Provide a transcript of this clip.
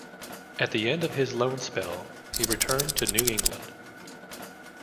At the end of his loan spell he returned to New England.